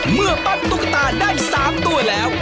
เมื่อปั้นตุ๊กตาได้๓ตัวแล้ว